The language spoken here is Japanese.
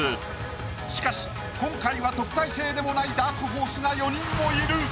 しかし今回は特待生でもないダークホースが４人もいる。